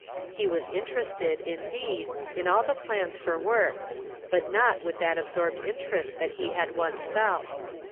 He was inter ested, indeed, in all the plans for work, but not with that absorbed interest that he had once felt.